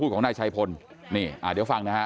พูดของนายชายพลนี่เดี๋ยวฟังนะครับ